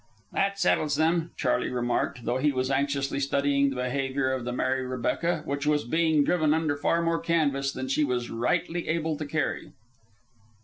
"That settles them!" Charley remarked, though he was anxiously studying the behavior of the Mary Rebecca, which was being driven under far more canvas than she was rightly able to carry.